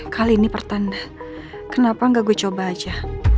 kali ini pertanda kenapa nggak gue coba aja